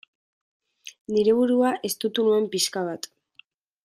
Nire burua estutu nuen pixka bat.